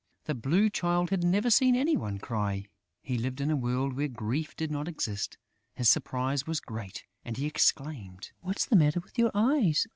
The Blue Child had never seen any one cry. He lived in a world where grief did not exist. His surprise was great; and he exclaimed: "What's the matter with your eyes?...